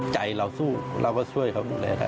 ใจเราสู้เราก็ช่วยเขาดูแลได้